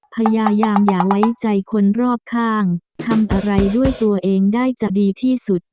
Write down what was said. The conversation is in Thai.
พยายามอย่าไว้ใจคนรอบข้างทำอะไรด้วยตัวเองได้จะดีที่สุด